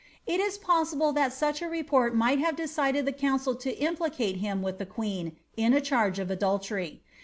It is possible that such a report might haye decided the council to implicate him with the queen in a charge of adultery.